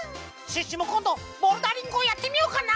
シュッシュもこんどボルダリングをやってみようかな？